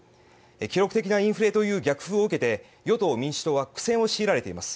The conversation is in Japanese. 記録的なインフレという逆風を受けて与党・民主党は苦戦を強いられています。